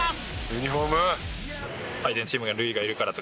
「ユニホーム！」